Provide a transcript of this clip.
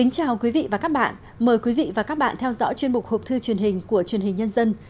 chào mừng quý vị đến với bộ phim hộp thư truyền hình của truyền hình nhân dân